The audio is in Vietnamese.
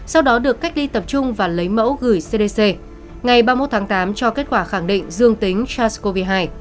sau đó được cách ly tập trung và lấy mẫu gửi cdc ngày ba mươi một tháng tám cho kết quả khẳng định dương tính sars cov hai